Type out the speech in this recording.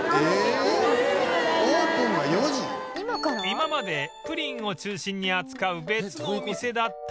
今までプリンを中心に扱う別のお店だったのが